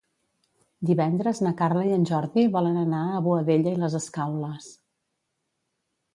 Divendres na Carla i en Jordi volen anar a Boadella i les Escaules.